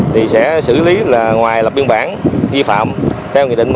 thì sẽ xử lý là ngoài lập biên bản vi phạm theo nghị định một trăm ba mươi chín